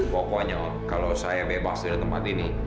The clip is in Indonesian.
pokoknya kalau saya bebas dari tempat ini